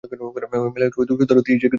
মিলনকেও সুন্দর করতে হয় ইচ্ছাকৃত বাধায়।